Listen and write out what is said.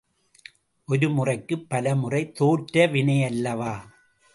ஒரு முறைக்குப் பல முறை தோற்ற வினையல்லவா?